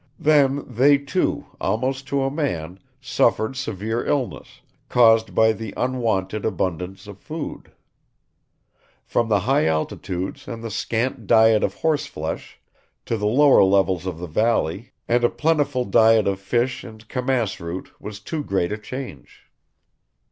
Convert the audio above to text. Then they, too, almost to a man, suffered severe illness, caused by the unwonted abundance of food. From the high altitudes and the scant diet of horseflesh to the lower levels of the valley and a plentiful diet of fish and camass root was too great a change.